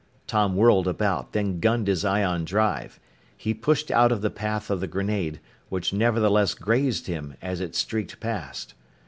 Tom whirled about, then gunned his ion drive. He pushed out of the path of the grenade, which nevertheless grazed him as it streaked past.